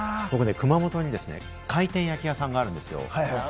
熊本に回転焼き屋さんがあるんですよ。